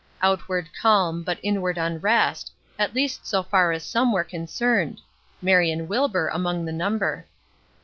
Outward calm, but inward unrest, at least so far as some were concerned; Marion Wilbur among the number.